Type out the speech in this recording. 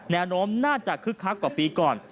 แนวโน้มน่าจะคึกคักกว่าปีก่อน